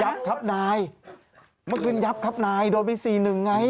ครับนายเมื่อคืนยับครับนายโดนไปสี่หนึ่งไง